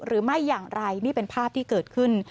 หรือไม่อย่างไรนี่เป็นภาพที่เกิดขึ้น